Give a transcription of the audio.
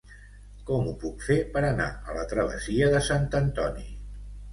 Com ho puc fer per anar a la travessia de Sant Antoni?